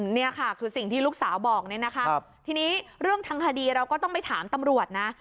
นี่ค่ะคือสิ่งที่ลูกสาวบอกเนี่ยนะคะทีนี้เรื่องทางคดีเราก็ต้องไปถามตำรวจนะ